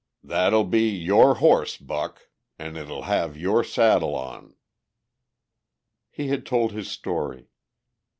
That'll be your horse, Buck. An' it'll have your saddle on." He had told his story.